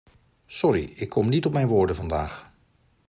Sorry, ik kom niet op mijn woorden vandaag.